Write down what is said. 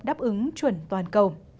đáp ứng chuẩn toàn cầu